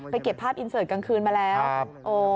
ไปเก็บภาพอินเสิร์ตกลางคืนมาแล้วโอ๊ยครับ